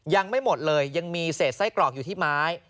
ยังไม่หมดเลยยังมีเศษไส้กรอกอยู่ที่ไม้